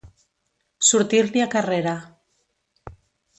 Sortir-li a carrera.